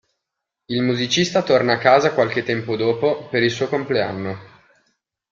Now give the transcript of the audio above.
Il musicista torna a casa qualche tempo dopo, per il suo compleanno.